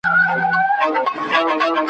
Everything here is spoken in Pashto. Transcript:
په ارمان یې د نارنج او د انار یم `